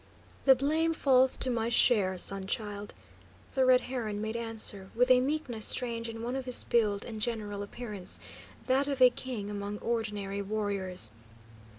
"The blame falls to my share, Sun Child," the Red Heron made answer, with a meekness strange in one of his build and general appearance, that of a king among ordinary warriors.